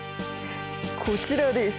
こちらです！